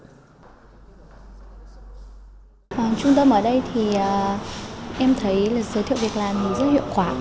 trung tâm ở đây thì em thấy giới thiệu việc làm thì rất hiệu quả